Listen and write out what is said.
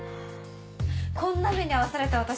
こんな目に遭わされて私。